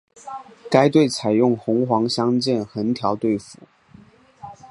该队采用红黑相间横条队服。